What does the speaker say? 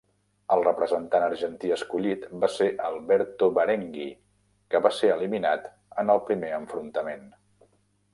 El representant argentí escollit va ser Alberto Barenghi, que va ser eliminat en el primer enfrontament.